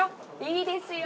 いいですよ。